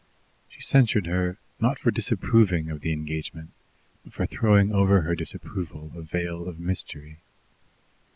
She censured her, not for disapproving of the engagement, but for throwing over her disapproval a veil of mystery.